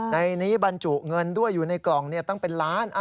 ในนี้บรรจุเงินด้วยอยู่ในกล่องตั้งเป็นล้าน